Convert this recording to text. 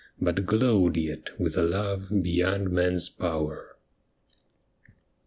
But glowed yet with a love beyond man's power.